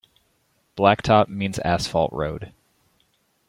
"Blacktop" means an asphalt road.